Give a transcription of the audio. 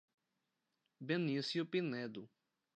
Benicio Pinedo